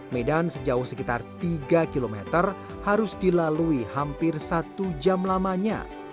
medan sejauh sekitar tiga km harus dilalui hampir satu jam lamanya